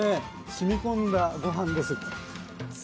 しみこんだご飯です。